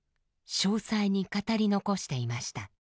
詳細に語り残していました。